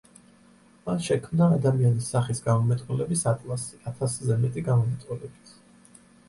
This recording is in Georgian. მან შექმნა ადამიანის სახის გამომეტყველების ატლასი, ათასზე მეტი გამომეტყველებით.